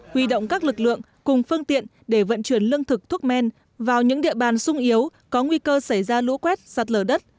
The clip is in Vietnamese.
huy động các lực lượng cùng phương tiện để vận chuyển lương thực thuốc men vào những địa bàn sung yếu có nguy cơ xảy ra lũ quét sạt lở đất